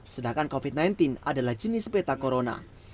sedangkan covid sembilan belas adalah jenis peta corona